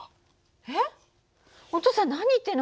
えっお父さん何言ってるの？